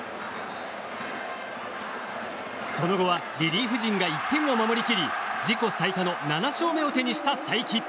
その後はリリーフ陣が１点を守り切り自己最多の７勝目を手にした才木。